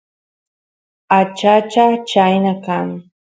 achacha chayna kan